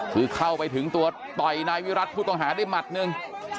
คือเข้าไปถึงตัวต่อยนายวิรัติผู้ต้องหาได้หมัดหนึ่ง